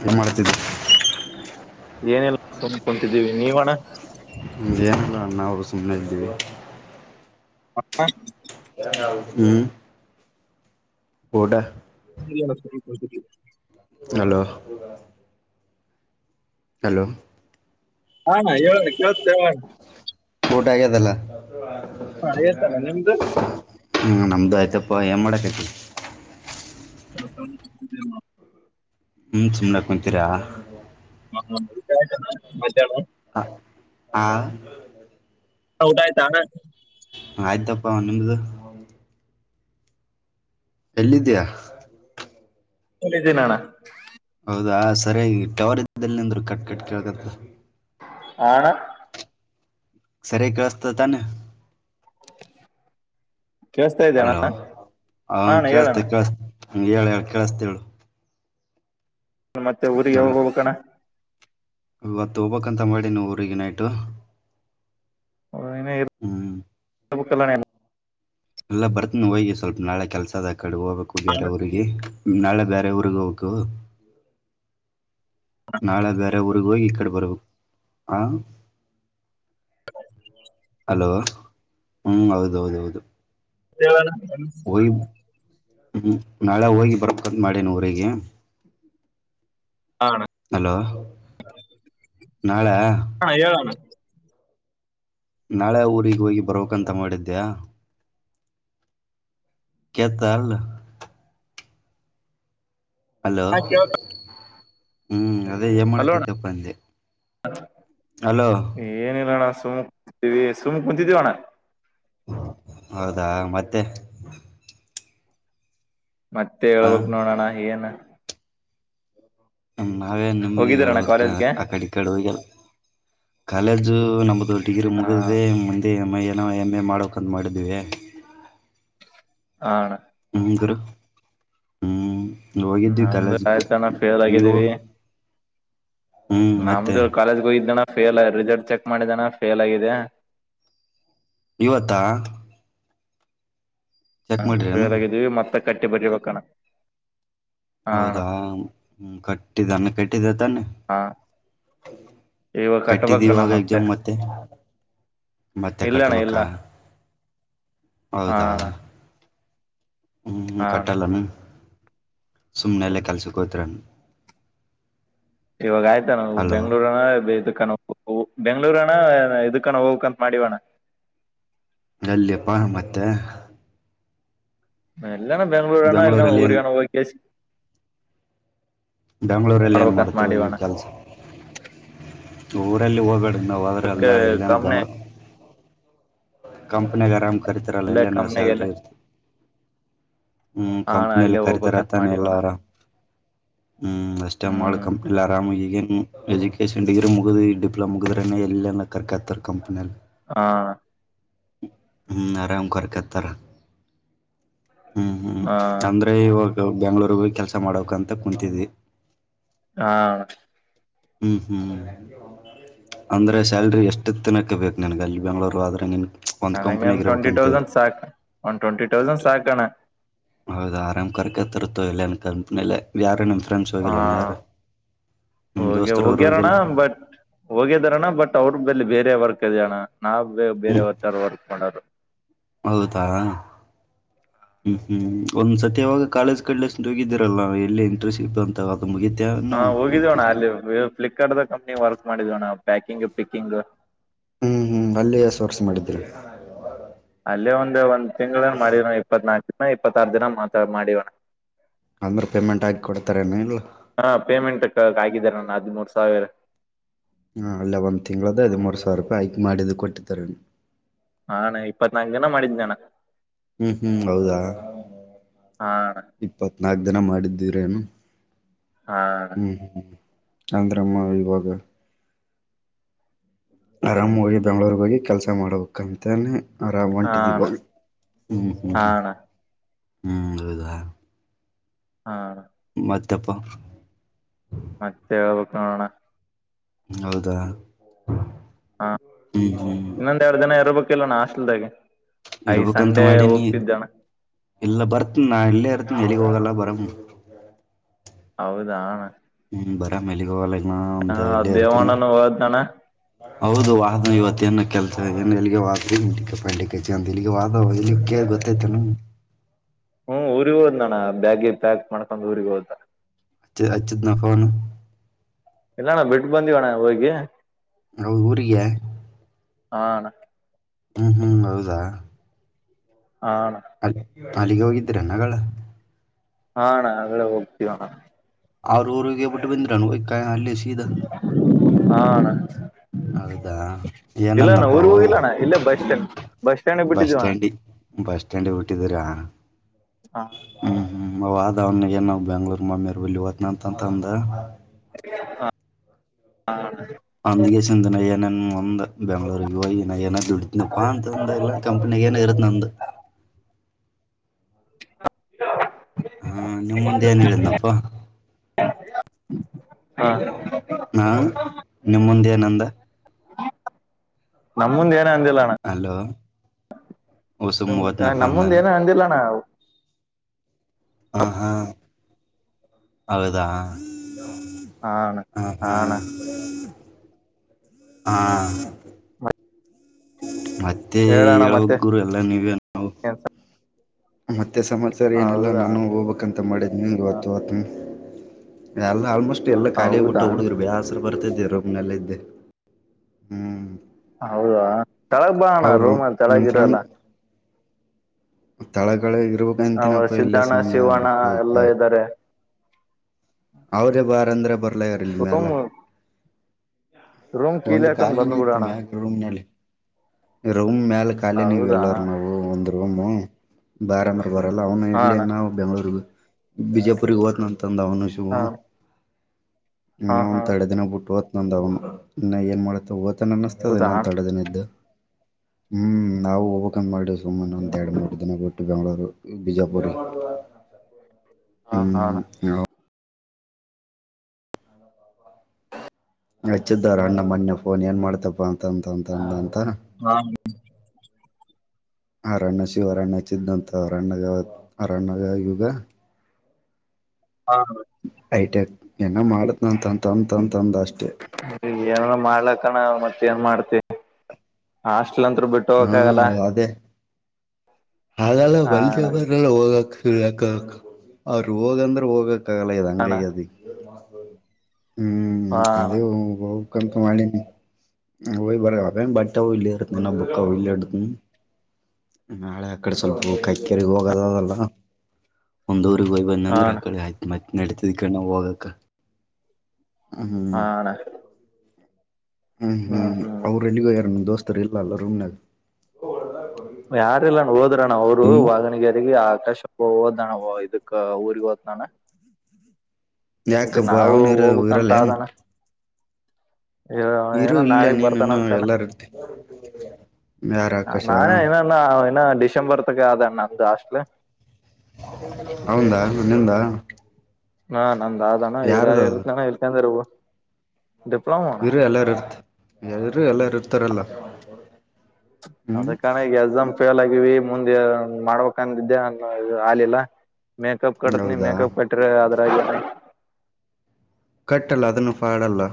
ಏನು ಮಾಡ್ತಿದೇ ಏನು ಇಲ್ಲ ಕೊಂತಿದ್ದೀವಿ ನೀವು ಅಣ್ಣ ಏನಿಲ್ಲ ನಾವು ಸುಮ್ನೆ ಬಿಡ್ತೀವ. ಹ. [inaudible] ಹ್ಮ್. ಊಡಾ. ಹ. [inaudible] ಹಲೋ. ಹಲೋ. ಹಾ ಅಣ್ಣಾ ಹೇಳ ಕಳ್ತದ ಹೇಳ. ಊಟ ಆಗದಲ್ಲ. ಹೇಳ್ತಾನೆ ನಿಮ್ದು ಹ್ಞ ನಮ್ದು ಆಯ್ತಪ್ಪ ಏನ್ ಮಾಡಕೈತಿ. ಹೊಲಸ. [inaudible] ಹ್ಮ ಸುಮ್ನೆ ಕುಂತೀರಾ. [inaudible] ಹ ಹಾ. ಊಟ ಆಯ್ತಾ. ಆಯ್ತಪ್ಪ ನಿಮ್ದು. ಎಲ್ಲಿದೀಯಾ. ಇಲಿ ಇದೀನಿ ಅನ್ನಾ. ಹೌದಾ ಸರಿಯಾಗಿ ಟವರ್ ಇದ್ದಲ್ಲಿಂದರು ಕಟ್ ಕಟ್ ಕೇಳಕತ್ತ. ಹಾ ಅಣ್ಣಾ. ಸರಿ ಕೇಳಸ್ತ ತಾನೆ. ಕೇಳಿಸ್ತಾ ಇದೆ ಅಣ್ಣ ಹಲೋ ಹ ಹಾ ಅಣ್ಣ ಕೇಳತ ಹೇಳಣ್ಣ ಕಸ್ ಹ ಹೇಳ ಹೇಳ ಕೇಳಸ್ತಿ ಹೇಳು. ಮತ್ತೆ ಊರಿಗೆ ಅಲ್ಲ ಯಾವಾಗ ಹೋಗ್ಬೇಕಣ್ಣ. ಇವತ್ತು ಹೋಗಬಕಂತ ಮಾಡಿ ನೀ ಊರಿಗೆ ನೈಟು. ುಲ್ಲ. [inaudible] ಇಲ್ಲ ಬರ್ತ್ನ ಹೋಗಿ ಸ್ವಲ್ಪ ನಾಳೆ ಕೆಲ್ಸದ ಕಡೆ ಹೋಗಬೇಕು ಅಣ್ಣ ಬ್ಯಾರೆ ಊರಿಗೆ. ನಾಳೆ ಬ್ಯಾರೆ ಊರಿಗೆ ಹೋಗ್ಬೇಕು. ನಾಳೆ ಬ್ಯಾರೆ ಊರ್ಗ ಹೋಗಿ ಈ ಕಡೆ ಬರ್ಬೇಕು ಆ. [inaudible] ಹಲೋ ಹ್ ಹೌದ ಹೌದ ಹೌದು. ಹೇಳಣ್ಣ. ಹೋಗಿ ಹ್ಮ ನಾಳೆ ಹೋಗಿ ಬಾರ್ಬೇಕಂತ ಮಾಡೇನ ಊರಿಗೆ. ಹಾ ಅಣ್ಣ ಹಲೋ ನಾಳೆ. ಅಣ್ಣ ಹೇಳೋಣ ನಾಳೆ ಊರಿಗೆ ಹೋಗಿ ಬರ್ಬೇಕಾಂತ ಮಾಡಿದ್ದ್ಯಾ. ಕೆತರ್ಲಾ. ಹಲೋ ಹಾ ಕೇಳ್ತಾ ಹ್ಮ್ ಅದೇ ಏನ್ ಹಲೋ ಅಣ್ಣ ಮಾಡತಿದ್ದಪ್ಪ ಅಂದೆ. ಹಲೋ ಏನಿಲ್ಲ ಅಣ್ಣ ಸುಮು ಕೂತಿದ್ವಿ ಸುಮಕ್ ಕುಂತಿದ್ದೀವಣ್ಣ. ಹೌದಾ ಮತ್ತೆ. ಮತ್ತೆ ಹ ಹೇಳ್ಬೇಕಕ್ ನೋಡೋಣ ಏನ್. ನಾವೇನ್ ನಿಮಗೆ ಹೋಗಿದ್ದೀರಣ್ಣ ಹೇಳಕ್ ಕಾಲೇಜ್ಗೆ ಆ ಕಡೆ ಕಡೆ ಹೋಗಲ್ಲ ಕಾಲೇಜು ನಮ್ದ. ಡಿಗ್ರಿ ಹಾ ಮುಗದೇ ಮುಂದೆ ಎ ಏನೋ ಎಮ್ ಎ ಮಾಡಬೇಕು ಅಂತಾ ಮಾಡಿದ್ವಿ. ಹಾ ಅಣ್ಣಾ. ಹ್ಮ್ಂತರ ಹ್ಮ್. ಹೋಗಿದ್ವಿ ನಮ್ದು ಕಾಲೇಜಕ್ಕೆ ಆಯ್ತ ನಾ ಫೇಲ್ ನೀವು ಆಗಿದ್ದೀವಿ. ಹ್ಮ್ ಮತ್ತೆ ನಮದು ಕಾಲೇಜ್ಗ್ ಹೋಗಿದ್ ಅನ. ಫೇಲ್ ರಿಸಲ್ಟ್ ಚೆಕ್ ಮಾಡಿದಾನ ಫೇಲ್ ಆಗಿದೆ. ಇವತ್ತಾ. ಚೆಕ್ ಹ ಮಾಡ್ರೇನು ಫೇಲಾಗಿದೀವಿ ಮತ್ತೆ ಕಟ್ಟಿ ಬರಿಬೇಕಣ. ಹಾ ಹೌ ಅಣ್ಣ ಕಟ್ಟಿದ್ದಾನೆ ಕಟ್ಟಿದ್ದ ತಾನೆ. ಹಾ ಇವಾಗ ಕಟ್ಬೇಕಣ್ಣ ಕಟ್ಟಿದ್ದೀವಾಗ ಎಕ್ಸಾಮ್ ಮತ್ತೆ. ಮತ್ತೆ ಇಲ್ಲಣ್ಣ ಕಟ್ಟಬೇಕ ಇಲ್ಲ ಹಾ ಹೌದಾ ಅಣ್ಣ ಹ್ಮ್ ಹಾ ಅಣ್ಣ ಕಟ್ಟಾಲನು ಸುಮ್ಮ್ನೆಲ್ಲೇ ಕಲ್ಸಿಕೋತರನ್ನು ಇವಾಗ ಆಯ್ತಾ ನಾವು ಬೆಂಗ್ಳೂರನ ಬ ಕನು ಬೆಂಗ್ಗಳೂರಣ್ಣ ಇದಕಣ ಹೋಗಕಂತ ಮಾಡಿವಣ್ಣ ಏಲ್ಲಿಯಪ್ಪಾ ಮತ್ತೆ ಎಲ್ಲಣ ಬೆಂಗ್ರುಣ ಎಲ್ಲ ಬೆಂಗಳೂರಲ್ಲಿ ಏನು ಊರಿಯಣೋ ಕ ಬೆಂಗ್ಳೂರಲ್ಲಿ ಏನ್ ಮಾಡತೇವೆ ಈ ಮಾಡಿವಣ್ಣ ಕೆಲ್ಸ ಊರಲ್ಲಿ ಹೋಗ್ಬೇಡ ನಾವ ಆದ್ರೆ ಅಲ್ಲ ಇಲ್ಲೇನ ಕಮ್ನೆ ಜಂಗ್ರ ಕಂಪನಿಗ ಆರಾಮ್ ಕರಿತಾರಲ್ಲ ಅಲ್ಲೇ ಇಲ್ಲನ ಕಮ್ನೆಗೆಲ್ಲ ಸ್ಯಾಲ್ರಿ ಇರ್ತಿ ಹ್ಮ್ ಹಾ ಅಣ್ಣ ಕಂಪ್ನಿಯಲ್ಲಿ ಅಲ್ಲೇ ಹೋಗ್ಬೇಕಂತ ಕರಿತಾರತಾನ ಮಾಡಿವಣ್ಣ ಎಲ್ಲಾರ ಹ್ಮ್ ಅಷ್ಟ ಮಾಡ್ ಹ್ಮ್ ಕಂಪ್ನಿಲ್ಲಿ ಆರಾಮ ಈಗನ್ ಹ್ಮ್ ಎಜುಕೇಶನ್ ಡಿಗ್ರಿ ಮುಗಿದ ಡಿಪ್ಲೊಮ ಮುಗಿದ್ರ ಎಲ್ಲೆಲ್ಲ ಕರ್ಕತ್ತ ಕಂಪ್ನಿಯಲ್ಲಿ ಹಾ ಹ್ಮ ಆರಾಮ್ ಕರ್ಕತರ ಹ್ಮ್ ಹ್ಮ್ ಹಾ ಅಂದ್ರೆ ಇವಾಗ ಬೆಂಗ್ಳೂರ್ ಕೆಲ್ಸ ಮಾಡಕ್ ಅಂತ ಕುಂತಿದ್ವಿ ಹಾ ರಿ ಹ್ಮ್ ಹ್ಮ್ ಅಂದ್ರೆ ಸ್ಯಾಲ್ರಿ ಎಷ್ಟು ತನಕ್ಕೆ ಬೇಕು ನನ್ಗ ಅಲ್ಲಿ ಬೆಂಗ್ಳೂರು ಆದ್ರೆ ನೀನ್ ಅ ಟ್ವೆಂಟಿ ತೌಸ್ ಸಾ ಒನ್ ಟ್ವೆಂಟ ತೌಸಂಡ್ ಸಾಕಣ ಹೌದು ಆರಾಮ್ ಕರ್ಕ ತರತೋ ಇಲ್ಲನ್ ಕಂಪ್ನಿಯಲ್ಲ ಯಾರು ನಿಮ ಫ್ರೆಂಡ್ಸ್ ಹೋಗಿಲ್ಲಾನ ಯಾರ ಹೋಗ್ಯ ಹೋಗ್ಯಾರಣ ಬಟ್ ಹೋಗ್ಯದಾರಣ ಬಟ್ ಅವ್ರ ಬಲ್ಲಿ ಬೇರೆ ಬೇರೆ ವರ್ಕ್ ಅದ್ಯಣ ನಾವ ಹ್ಮ್ ಬೇರೆವ ತರ ವರ್ಕ್ ಮಾಡೋರು ಹೌದಾ ಹ್ಮ್ ಹ್ಮ್ ಒಂದ್ ಸತ್ಯವಾಗ ಕಾಲೇಜ್ ಕಡ್ಲೆಷ್ಟಗಿದ್ದೀರಲ್ಲ ಎಲ್ಲಿ ಇಂಟ್ರೆಸ್ಟ್ ಇಂತ ಹಾ ಹೋಗಿದೋಣ ಅಲ್ಲಿ ಫ್ಲಿಕಾರ್ಟ್ ಕಂಪ್ನಿ ವರ್ಕ್ ಮಾಡಿದವಣ ಪ್ಯಾಕಿಂಗ್ ಪಿಕ್ಕಿಂಗ್ ಹ್ಮ್ ಹ್ಮ್ ಅಲ್ಲೇ ಸ ವರ್ಸ್ ಮಾಡಿದ್ರು ಅಲ್ಲೇ ಒಂದು ಒಂದ ತಿಂಗಳನ್ ಮಾಡವಣ ಇಪ್ಪತ್ ನಾಲ್ಕು ದಿನ ಇಪ್ಪತ್ತಾರ ದಿನ ಮಾತ ಮಾಡಿವಣ ಅಂದ್ರೆ ಪೇಮೆಂಟ್ ಹಾಕಿ ಕೊಡ್ತಾರೇನ ಇಲ್ಲ ಹಾ ಪೇಮೆಂಟ್ ಆಗಿದಾರ ಅ ಮುರು ಸಾವಿರ ಹಾಂ ಅಲ್ಲೇ ಒಂದು ತಿಂಳದ ಹದದುಮ ಮೂರು ಸಾವಿರ ರೂಪಾಯಿ ಹಐಕ್ ಮಾಡಿದ್ದು ಕೊಟ್ಟಾರೆ ಹಾನ ಇಪ್ಪತ್ನಾಲ್ಕು ಧಿನ ಮಾಡಿದ್ನಾನ ಹ್ಮ್ ಹ್ಮ್ ಹೌದಾ ಹಾ ಇಪ್ಪತ್ನಾಕ ದಿನ ಮಾಡಿದ್ದೀವ್ರೇನು ಅಣ್ಣ ಹ್ಮ್ ಹ್ಮ್ ಅಂದ್ರಮ್ಮ ಇವಾಗ ಆರಾಮ ಹೋಗಿ ಬೆಂಗ್ಳೂರ್ಗ್ ಹೋಗಿ ಕೆಲ್ಸ ಮಾಡ್ಬೇಕಂತಾನೇ ಆರಾಮ ಹಾ ಅಣ್ಣ ಒಂಟಿದೀವಾಗ ಹ್ಞ ಹ್ಞೂ ಹಾ ಹ್ ಅಣ್ಣ ಹ್ಞೂ ಹೌದಾ ಹಾ ಮತ್ತಪ್ಪ ಮತ್ತೆಳ ಬೇಕ್ಕಣ ಹೌದಾ ಹಾ ಹ್ಮ್ ಹ್ಮ್ ಇನ್ನೊಂದ ಎರಡು ದಿನ ಇರ್ಬೇಕಲ್ವಣ ಹಾಸ್ಟಲ್ದಾಗೆ ಇರ್ಬೇಕಕ್ಂತ ಮಾಡೀಿನಿ ಎಲ್ಲ ಬರ್ತನಿ ನಾ ಎಲ್ಲೇ ಇರ್ತನಿ ಎ ತಗಲ್ಲ ಬರಮ ಹೌದಣ ಹ್ಮ್ ಬರ ಮೇಲೆಗೆ ಹೋಗಲ್ಲ ನ ಒಂದು ಇಲ್ಲ ಇರ್ತೇನೆ ದೇವಣ್ಣನು ಹೋದ್ನಣ್ಣ ಹೌದು ವಾಹನ ಇವತ್ತ ನ ಕೆಲ್ಸ ಏನ್ ಎಲ್ಲಿಗೆಾದ ಅ ಇಲ್ಲಿಗೆ ವಾದ ಇ ಗೊತ್ತೈ್ತನು [inaudible] ಹ್ಮ್ ಊರಿಗೆ ಹೋದ್ ನಾನ ಬ್ಯಾಗೆ ಪ್ಯಾಕ್ ಮಾಡ್ಕೊಂಡ್ ಊರಿಗೆ ಹೋದ ಚಿ ಹಚ್ಚಿದ್ನ ಪೋನ್ ಎಲ್ಲಣ್ಣ ಬಿಟ್ಟ ಬಂದಿವಣ್ಣ ಹೋಗಿ ಅವರ ಊರಿಗೆ ಹಾ ಅಣ್ಣ ಹ್ಮ್ ಹ್ಮ್ ಹೌದಾ ಹಾ ಅಣ್ಣ ಅಲ್ ಅಲ್ಲಿಗೆ ಹೋಗಿದ್ದೀರೇನ ಆಗಲೇ ಹಾ ಅಣ್ಣ ಆಗಳೇ ಹೋಗಿದ್ಬಿಯನ್ನ ಅವ್ರ ಊರಿಗೆ ಬಿಟ್ ಬಂದ್ರಿ ಏನ್ ಅಲ್ಲೇ ಸೀದಾ ಹಾ ಅಣ್ಣ ಹೌದಾ ಇಲ್ಲಣ್ಣ ಏನಂದಪ್ಪ ಊರಿಗ್ ಓಯ್ ಹೋಗಿಲ್ಲಣ್ಣ ಇಲ್ಲೆ ಬಸ್ಟ್ಯಾಂಡ್ ಬಸ್ಟ್ಯಾಂಡ್ ಬಸ್ ಬಿಟ್ಟೆವ ಅಣ್ಣ ಸ್ಟ್ಯಾಂಡಿ ಬಸ್ ಸ್ಟ್ಯಾಂಡಿಂಗ್ ಬಿಟ್ಟಿದ್ದೀರಾ ಹಾ ಹ್ಮ್ ಹ್ಮ್ ಹೋದ ಅವನ ಏನು ಬೆಂಗ್ಳೂರ್ ಮಮೇರು ಬಲ್ಲಿ ಹೊತೆನ ಅಂತಂದ ಹಾ ಹ ಅಂದಗೆಸಂತ ನಯ್ಯನನ್ ಒಂದ ಬೆಂಗ್ಳೂರಿಗೆ ಹೋಗಿ ನಯ್ಯನ ದುಡಿತನಪ್ಪಾ ಅಂತಂದ ಎಲ್ಲ ಕಂಪನಿ [inaudible] [inaudible] ಹಾ ನಿಮ ಮುಂದೆ ಏನ್ ಹೇಳಿದ್ನಪ್ಪ [unintelligible] ಹಾ ನಿಮ್ಮಂದ ಏನಂದ ನನ ಮುಂದೆ ಏನ್ ಹಲೋ ನನ ಮುಂದ್ ಅಂದಾನ ಏನ ಅಂದಿಲ್ಲಣ ಹಾ ಹಾ ಹೌದಾ ಹಾ ಅಣ್ಣ ಹ ಹಾ ಅಣ್ಣ ಹಾ ಮತ್ತೆ ಹೇಳಣ್ಣ ಹೇಳಬೇಕ ಮತ್ತೆ ಗುರು ಎಲ್ಲಾ ನೀವೇ ನಾವು ಏನ್ ಸ ಮತ್ತೆ ಸಮಾಚಾರ ಏನೆಲ್ಲ ಹೌದಾ ನಾನು ಹೋಗ್ಬೇಕಕ್ಂತ ಮಾಡಿದೀನಿ ನಾನು ಹೋಗಬೇಕು ಅಂತ ಮಾಡಿದ್ನಿ ಇವತ್ತ್ ಹೊತೆನ್ ಎಲ್ಲ ಆಲ್ಮೋಸ್ಟ್ ಎಲ್ಲ ಖಾಲಿ ಆಗಿ ಹೌದಾ ಬಿಟ್ಟಾವು ಅಣ್ಣ ಹುಡುಗ್ರು ಬ್ಯಾಸರ ಬರ್ತಿದ್ದೆ ರೂಮ್ನಲೆ ಇದ್ದೆ ಹ್ಮ್ ಹೌದಾ ತಳಗ್ ಬಾ ಅಣ್ಣ ಅವರು ರೂಮ ತಳಗ ನಿಮ್ಮ ಫ್ರೆಂಡ್ ಇರಲ್ಲ ತಳಗಳ ಇರ್ಬೇಕ ಅಂತಿನಪ್ಪ ಇಲ್ಲ ಸಿದ್ದಣ್ಣ ಸುಮ್ನೆ ಶಿವಣ್ಣ ಹಬ್ಬಕ್ ಇವಕ ಎಲ್ಲಾ ಇದ್ದಾರೆ ಅವರೇ ಬಾರಂದ್ರೆ ಬರಲೇ ಇಲ್ಲ ಮ್ಯಾಲ ರೂಮ್ ರೂಮ್ ಕೀಲಿ ಒಂದು ಹಾಕೊಂಡ್ ಕಾಲಿನ ಇತ್ತು ಬಂದ್ಬಿಡೋಣ ಮ್ಯಾಗ ರೂಮ್ ನಲ್ಲಿ ರೂಮ್ ಮೇಾಲ ಖಾಲಿ ನೀ ಹೌದಾ ಎಲ್ಲರು ನಾವು ಒಂದ್ ರೂಮ್ ಬಾರ ಮ ಬರಲ್ಲ ಅವ್ನ ಹಾ ಇಲ್ಲಿ ಅಣ್ಣ ನಾವು ಬೆಂಗ್ಳೂರ್ಗ ಬಿಜಾಪುರಗೆ ಹೋತೀನಿ ಅಂತ ಅಂತದನು ಅವನು ಹಾ ಶಿವು ಹಾ ಇನ ಹಾ ಒಂದ ತೊಡೆ ದಿನ ಬಿಟ್ಟು ಓತ್ತೇನನಂದ ಅವನು ಇನ್ನ ಏನ್ ಮಾಡ್ತಾ ಓದ ಅನ್ನಿಸ್ತದೆೇನೆ ಹೌದಾ ಇನ್ನೊಂದ ತೊಡೆ ದಿನಾ ಇದ್ದು ಹ್ಮ್ ನಾವು ಹೋಗಬಕಂದ್ ಮಾಡವಿ ಸುಮಮ್ಮನೆ ಒಂದ ಎರಡು ಮೂರು ದಿನ ಒಟ್ಟು ಬೆಂಗ್ಗಳೂರು ಬಿಜಾಪುರಿಗ [unintelligible] ಹಾ ಹಾ ಹಚ್ಚಿದ ಅವರ ಅಣ್ಣ ಮೊನೆ ಫೋನ್ ಏನ್ ಮಾಡ್ತಪ್ಪ ಅಂತಂತಂತಂದ ಅಂತ ಹಾ ಹ್ಮ ಅವರ ಅಣ್ಣ ಶಿವ ಅವರ ಅಣ್ಣ ಹಚ್ಚಿದಂತ ಅವರನ್ನ ಅವರನ್ನ ಶಿವು ಗ ಹಾ ಐಟ ಏನ ಮಾಡತ್ ಅಂತಂತ ಏನ ಮಾಡ್ಲಕಣ ಮತ್ತ ಏನ್ ಮಾಡ್ತೆ ಹಾಸ್ಟೆಲ್ ಇಲ್ಲ ಅಂತ್ರೂ ಬಿಟ್ಟು ಹಾ ಹೋಗಕಾಗಲ್ಲ ಅದೇ ಹಾಗಲ್ಲ ಮನಸೆ ಅಣ್ಣ ಬರಲ್ಲ ಹೋಗಕ್ಕ ಸುಳ್ ಯಾಕೆ ಹಾಡಬೇಕ ಅವ್ರ ಹೋಗಂದ್ರ ಹೋಗಕ್ ಕ್ಕಗಾಲ ಅಣ್ಣ ಅಂಗಗ್ಯಾದ ಈಗ ಅ ಹ್ಮ್ ಹಾ ಅಣ್ಣ ಅದೇ ಬೇಕಂತ್ ಮಾಡಿನಿ ಹೋಗಿ ಬರ್ಬೇಕೇನ ಬಟ್ಟಿ ಹವಾ ಇಲ್ಲೇ ಇರ್ತೀನಿ ಅವು ಇಲ್ಲೇ ಇಡ್ತನಿ ನಾಳೆ ಆಕಡೆ ಸ್ವಲ್ಪ ಕೈಕೇರಿಗ ಹೋಗದದಲ್ಲ ಒಂದು ಹಯ ಬಂದ ಹಾ ನಂದರ ಅಂದ್ರ ಅಣ್ಣ ಆ ಕಡೆ ಆಯ್ತು ಮತ್ತೆ ನಡತದ ಕ ನ ಹೋಗಕ್ಕ ಹಾ ಅಣ್ಣ ಹ್ಮ್ ಹ್ಮ್ ಅವ್ರು ಎಲ್ಲಿಗೋ ಯಾರ ನಿಮ್ ದೋಸ್ತರು ಇಲ್ಲ ಅಲ್ಲ ರೊಮನಾಗ ಯಾರಿಲ್ಲಾಣ್ಣ ಹೋದ್ರಣ ಅವ್ರು ವಾಗನಿಗೆರಗಿ ಆಕಾಶ ಹೋದನಣ ಇದಕ್ಕ ಊರಿಗೆ ಹೋದನಣ ಈಗ ಯಾಕಬ್ಬ ನಾವು ಅವನು ಇರ ಇರಲ್ಲ ಹೋಗಬೇಕಂತ ಏನ್ ಆದಣ್ಣ ಇವು ಇರು ಏನ ಇಲ್ಲ ನಾಳಿಗ್ ಬರ್ತಾನ ನೀನುನ್ನು ಅಂತಣ್ಣ ಎಲ್ಲಾರ ಇರ್ತಿ ಯಾರ ಆಕಾಶ ನಾಳೆ ಇನ ಇನ್ನ ಡಿಸೆಂಬರ್ ತಕ ಆದಣ್ಣ ನಮ್ದು ಹಾಸ್ಟೆಲ್ ಅವಂದಾ ನಿಂದಾ ಹಾ ನಂದ ಆದಣ್ಣ ಇರ ಇರ್ತ್ನ ಇಲ್ಕಂದ್ರವು ಇರಿ ಎಲ್ಲಾರು ಇರ್ತ ಇರು ಎಲ್ಲಾರು ಇರ್ತಾರಲ್ಲ ಹ್ಮ್ ಅದಕ್ಕಣ ಈಗೆ ಎಕ್ಸಾಮ್ ಪೇಲ್ ಆಗವಿ ಮುಂದೆ ಮಾಡ್ಬೇಕಂದಿದ್ದೆ ಅ ಆಲಿಲ್ಲ ಮೇಕಪ್ ಕಟ್ತ್ನೀ ಹೌದಾ ಮೇಕಪ್ ಕಟ್ಟ್ರಿ ಅದ್ರಾಗ ಕಟ್ಟಲ್ಲ ಅದನ್ನು ಪಾಡಲ್ಲ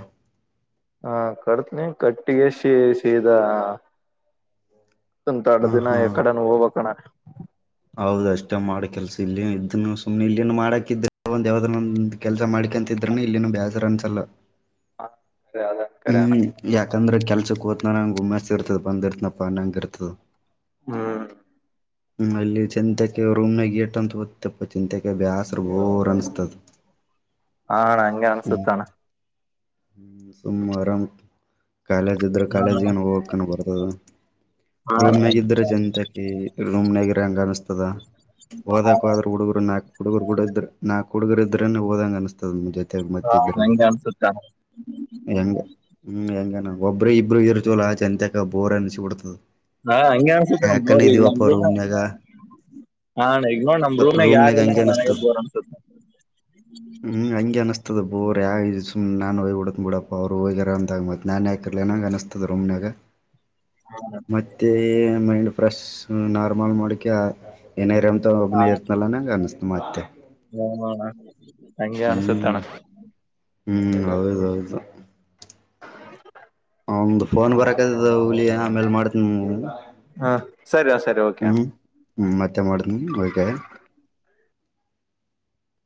ಹಾ ಕಟ್ತನಿ ಕಟ್ಟಿಗೆ ಶೀ ಸೀದಾ ಒಂತಡ್ ಹ ದಿನ ಹಾ ಯ ಕಡೆನ ಹೋಗ್ಬೇಕಣ ಹೌದ ಅಷ್ಟೇ ಮಾಡ ಕೆಲ್ಸ ಇಲ್ಲಿ ಇದನ್ನು ಸುಮ್ನೆ ಇಲ್ಲಿ ಮಾಡಕಿದ ಒ ದೇವಂದ ಕೆಲ್ಸ ಮಾಡಿ ಹಂತ ಇದ್ರನು ಇಲ್ಲಿನ ಬ್ಯಾಸರ ಅನ್ಸಲ್ಲ ಅ ಅದ ಕರೆಯಣ ಹ್ಮ್ ಯಾಕಂದ್ರೆ ಕೆಲ್ಸಕ್ಕೆ ಹೋತನನಂಗ ಉಮ್ಮೆಸ್ ಇರ್ತದ ಬಂದ ಇರ್ತನಪ್ಪ ನಂಗ ಇರ್ತದ ಹ್ಮ್ ಹ್ಮ ಇಲ್ಲಿ ಚೆಂತೆಕ ರೂಮ್ ನ ಗೇಟ್ ಅಂತ ಓದ್ತೆಪ್ಪಾ ಚೆಂತೆಕ ಬ್ಯಾಸ್ ಬೋರ್ ಅನ್ಸ್ತದ ಹಾ ಅಣ್ಣ ಹಂಗೆ ಹ್ಮ್ ಅನ್ಸುತ್ತಣ ಹ್ಮ್ ಸುಮ್ ಆರಾಮ್ ಕಾಲೇಜ್ ಇದ್ರೆ ಕಾಲೇಜ್ಗನ ಹೋಗ ಕನ ಬರ್ತದ ಹಾ ರೂಮ್ನಾಗಿದ್ರ ಚಂತಕಿ ರೂಮ್ನಾಗ ರ ಹಂಗ ಅನಸ್ತದ ಹೋದಕೋದ್ರ ಹುಡುಗರು ನಾಕ್ ಹುಡುಗರು ಹುಡ ಇದ ನಾಕ್ ಹುಡುಗರು ಇದ್ರೇನೆ ಹೋದಂಗ ಅನಸ್ತದ ನಮ್ ಜತೆ ಹಾ ಹಂಗೆ ಅನ್ಸುತ್ತೆ ಅಣ್ಣ ಹಂಗ ಹ್ಮ್ ಹೆಂಗನ ಒಬ್ಬ್ರ ಇಬ್ಬರು ಇರ್ತೀವಲ್ಲ ಚೆಂತಕ ಬೋರ್ ಅನ್ಸಿ ಬಿಡ್ತದ ಹಾ ಹಂಗೆ ಯಾಕನ ಅನ್ಸುತ್ತಣ್ಣ ಇದೀವಪ್ಪ ಬೋರ ರೂಮ್ನಾಗ ಹಾ ಈಗ ನೋಡ್ ನಮ್ ರೂಮಾಗ ರೂಮ್ನಾಗ ಯಾರಲ್ಲ ಹಂಗೆ ನನಗ ಅನಸ್ತದ ಬೋರ್ ಅನ್ಸುತ್ತ ಹ್ಮ್ ಹಂಗೆ ಅನಸ್ತದ ಬೋರ ಯ ಸುಮ್ ನಾನು ಹೋಗಿ ಬಿಡಿತನಪ್ಪ ಪಪ್ಪ ಅವರು ಹೋಗ್ಯರೋ ಅಂದಾಗ ಮತ್ತ ನಾನ ಯಾಕೆ ಹಾಕಿರಿಲಿ ಅನಂಗೆ ಅನ್ಸುತ್ತದ ರೂಮ್ನ್ಯಾಗ ಮತ್ತೆ ಮೈಂಡ್ ಫ್ರೆಶ್ ನಾರ್ಮಲ್ ಮಾಡಕ ಏನರ ಒಬ್ಬನೇ ಇರ್ತನಲ್ಲ ನಂಗಗೆ ಅನಸ್ತ ಮತ್ತೆ ಹ್ಮ ಅಂಗೆ ಹ್ಮ್ ಅನ್ಸುತ್ತಣ್ಣ ಹ್ಮ್ ಹೌದೌದು [inaudible] ಒಂದ್ ಫೋನ್ ಬರಕತದ ಹುಲಿಯ ಆಮೇಲ್ ಮಾಡ್ತಿನಿ ಹಾ ಸರಿ ಸರಿ ಓಕೆ ಅಣ್ಣ ಹ್ಮ್ ಹ್ಮ ಮತ್ತೆ ಮಾಡ್ತೀನಿ ಓದ್ಕೋ